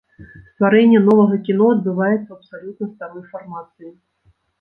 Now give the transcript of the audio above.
Стварэнне новага кіно адбываецца ў абсалютна старой фармацыі.